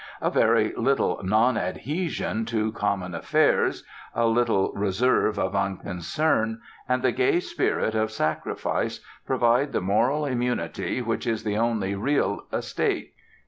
A very little nonadhesion to common affairs, a little reserve of unconcern, and the gay spirit of sacrifice, provide the moral immunity which is the only real estate.